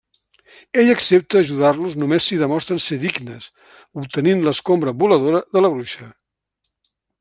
Ell accepta ajudar-los només si demostren ser dignes, obtenint l'escombra voladora de la bruixa.